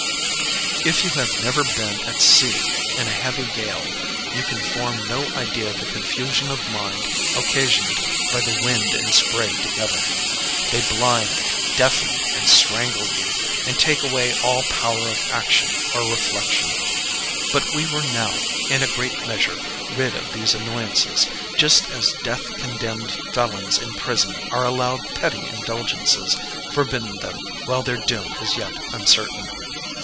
"If you have never been at sea in a heavy gale, you can form no idea of the confusion of mind occasioned by the wind and spray together. They blind, deafen, and strangle you, and take away all power of action or reflection. But we were now, in a great measure, rid of these annoyances; just as death condemned felons in prison are allowed petty indulgences, forbidden them while their doom is yet uncertain.